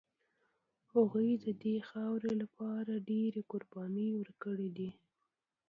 هغوی د دې خاورې لپاره ډېرې قربانۍ ورکړي دي.